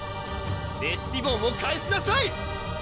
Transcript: レシピボンを返しなさい！